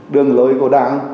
đường lưỡi của đảng